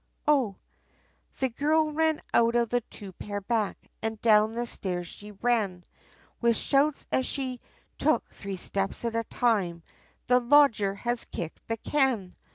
Oh!" The girl ran out of the two pair back, and down the stairs she ran, With shouts, as she took three steps at a time, "The lodger has kicked the can!